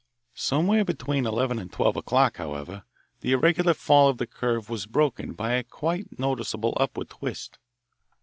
Somewhere between eleven and twelve o'clock, however, the irregular fall of the curve was broken by a quite noticeable upward twist.